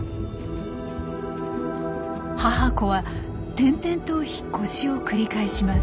母子は転々と引っ越しを繰り返します。